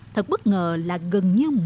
thật bất ngờ ông tư rô đã có ý tưởng